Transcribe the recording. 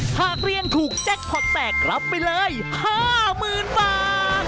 หากเรียนถูกแจ็คพอร์ตแตกรับไปเลย๕๐๐๐๐บาท